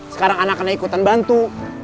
sekarang anaknya ikutan bantu